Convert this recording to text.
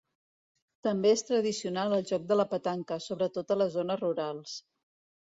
També és tradicional el joc de la petanca, sobretot a les zones rurals.